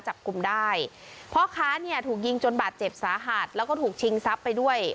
จับกลุ่มได้พ่อค้าเนี่ยถูกยิงจนบาดเจ็บสาหัสแล้วก็ถูกชิงทรัพย์ไปด้วย